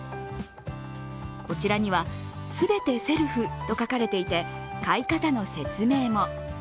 こちらには「すべてセルフ」と書かれていて、買い方の説明も。